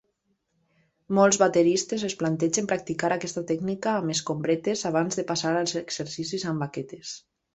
Molts bateristes es plantegen practicar aquesta tècnica amb escombretes abans de passar als exercicis amb baquetes.